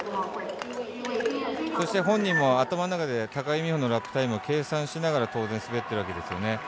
そして本人も頭の中で高木美帆のラップタイムを計算しながら当然滑っているわけですね。